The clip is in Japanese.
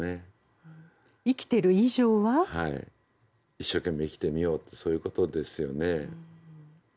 一生懸命生きてみようとそういうことですよね。